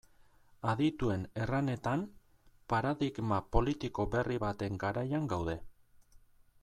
Adituen erranetan, paradigma politiko berri baten garaian gaude.